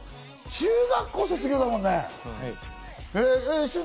中学校を卒業だもんね。